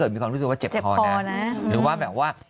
มีคนรู้สึกว่าเจ็บข้อหรือว่า